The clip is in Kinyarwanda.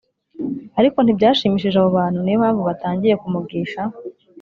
ariko ntibyashimishije abo bantu Ni yo mpamvu batangiye kumugisha